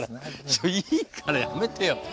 ちょいいからやめてよ。